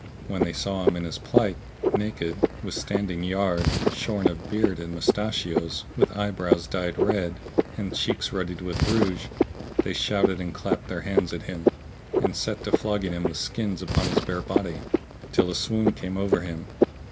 When they saw him in his plight, naked, with standing yard, shorn of beard and mustachios, with eyebrows dyed red, and cheeks ruddied with rouge, they shouted and clapped their hands at him, and set to flogging him with skins upon his bare body till a swoon came over him.